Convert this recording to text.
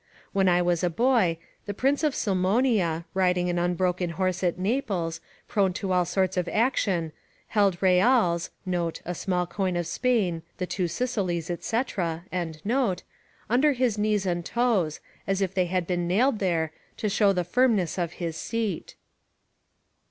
When I was a boy, the prince of Sulmona, riding an unbroken horse at Naples, prone to all sorts of action, held reals [A small coin of Spain, the Two Sicilies, &c.] under his knees and toes, as if they had been nailed there, to shew the firmness of his seat.